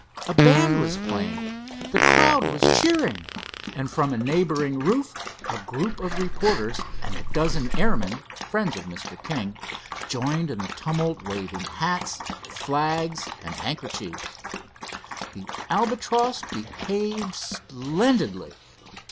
A band was playing, the crowd was cheering, and from a neighboring roof a group of reporters and a dozen airmen, friends of Mr. King, joined in the tumult, waving hats, flags and handkerchiefs. The Albatross behaved splendidly.